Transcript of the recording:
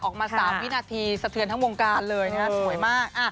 ออกมา๓วินาทีสะเทือนทั้งวงการเลยนะครับสวยมาก